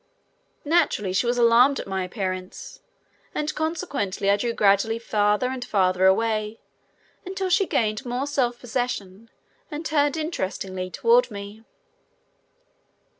Naturally she was alarmed at my appearance, and consequently I drew gradually farther and farther away until she gained more self possession and turned interestingly toward me.